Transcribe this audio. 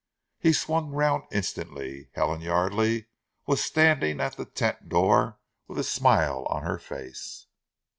He swung round instantly. Helen Yardely was standing at the tent door with a smile on her face.